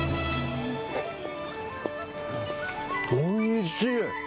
おいしい！